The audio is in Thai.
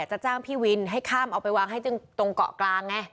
จะจ้างพี่วินให้ข้ามเอาไปวางให้ตรงเกาะกลางไง